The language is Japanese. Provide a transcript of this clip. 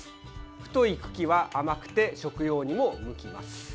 太い茎は甘くて食用にも向きます。